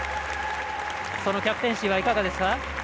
そのキャプテンシーはいかがですか？